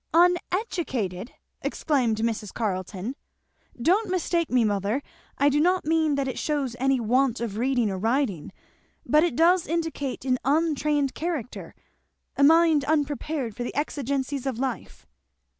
"Uneducated!" exclaimed Mrs. Carleton. "Don't mistake me, mother, I do not mean that it shows any want of reading or writing, but it does indicate an untrained character a mind unprepared for the exigencies of life."